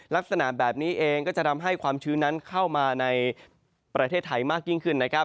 ลักษณะแบบนี้เองก็จะทำให้ความชื้นนั้นเข้ามาในประเทศไทยมากยิ่งขึ้นนะครับ